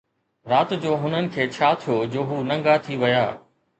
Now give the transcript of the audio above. رات جو هنن کي ڇا ٿيو جو هو ننگا ٿي ويا